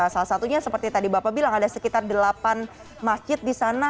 salah satunya seperti tadi bapak bilang ada sekitar delapan masjid di sana